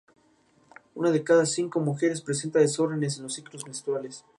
La renovación incluyó la instalación de tecnología Alpha Logistics.